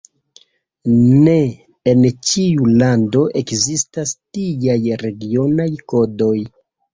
Ne en ĉiu lando ekzistas tiaj regionaj kodoj.